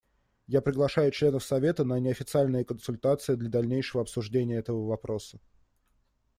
Я приглашаю членов Совета на неофициальные консультации для дальнейшего обсуждения этого вопроса.